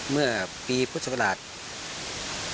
เมื่อปีพฤศกราช